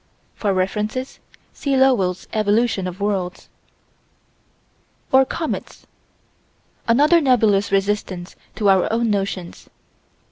For references, see Lowell's Evolution of Worlds. Or comets: another nebulous resistance to our own notions.